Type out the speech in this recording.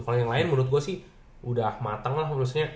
kalo yang lain menurut gua sih udah mateng lah